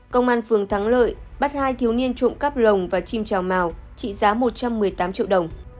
công an phường thắng lợi bắt hai thiếu niên trộm cắp rồng và chim trào màu trị giá một trăm một mươi tám triệu đồng